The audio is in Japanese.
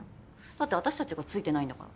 だって私たちがついてないんだから。